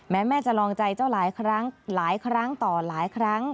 แม่จะลองใจเจ้าหลายครั้งหลายครั้งต่อหลายครั้ง